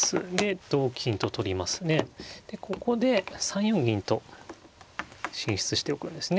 でここで３四銀と進出しておくんですね。